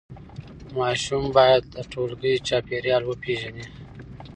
ماشوم باید د ټولګي چاپېریال وپیژني.